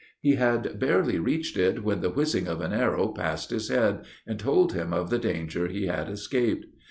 He had barely reached it, when the whizzing of an arrow passed his head, and told him of the danger he had escaped.